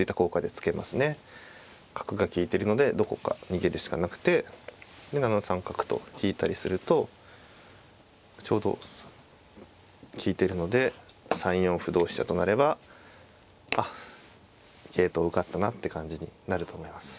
角が利いてるのでどこか逃げるしかなくて７三角と引いたりするとちょうど利いてるので３四歩同飛車となればあっ桂頭受かったなって感じになると思います。